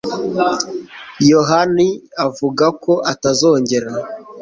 Yohani avuga ko atazongera.